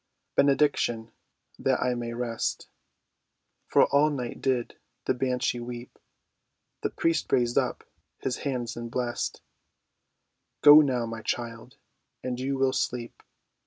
"Benediction, that I may rest, For all night did the Banshee weep." The priest raised up his hands and blest— "Go now, my child, and you will sleep."